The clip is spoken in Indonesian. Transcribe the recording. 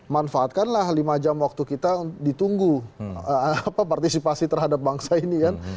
manfaatkanlah lima jam waktu kita ditunggu partisipasi terhadap bangsa ini kan